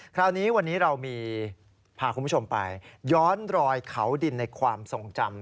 คราวนี้วันนี้เรามีพาคุณผู้ชมไปย้อนรอยเขาดินในความทรงจำ